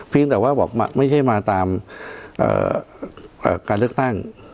เพียงแต่ก็ว่าไม่ใช่มาตามการเลือกตั้ง